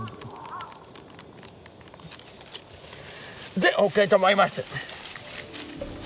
でＯＫと思います。